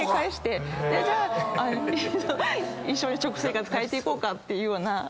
じゃあ一緒に食生活変えていこうかっていう話。